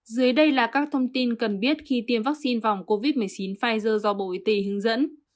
dưới đây là các thông tin cần biết khi tiêm vaccine phòng covid một mươi chín pfizer do bộ y tế hướng dẫn